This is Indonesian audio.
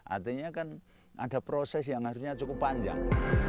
artinya kan ada proses yang harusnya cukup panjang